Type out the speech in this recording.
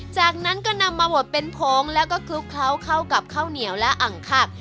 จากนั้นก็นำมาบดเป็นผงแล้วก็คลุกเคล้าเข้ากับข้าวเหนียวและอังคัก